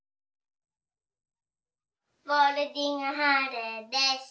ボールディングハーレーです。